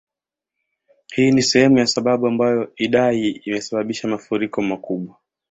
Hii ni sehemu ya sababu ambayo Idai imesababisha mafuriko makubwa